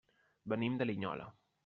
Venim de Linyola.